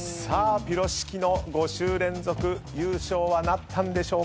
ぴろしきの５週連続優勝はなったんでしょうか。